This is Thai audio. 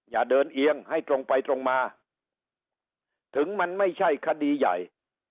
อย่าเดินเอียงให้ตรงไปตรงมาถึงมันไม่ใช่คดีใหญ่